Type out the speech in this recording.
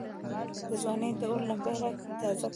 دځوانۍ داور لمبي را کې تازه کړه